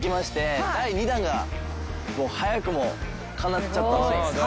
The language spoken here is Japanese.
もう早くもかなっちゃったんですよね。